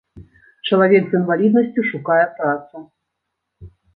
Чалавек з інваліднасцю шукае працу.